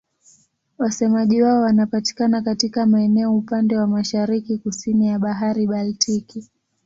Wasemaji wao wanapatikana katika maeneo upande wa mashariki-kusini ya Bahari Baltiki.